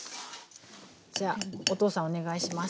じゃお父さんお願いします。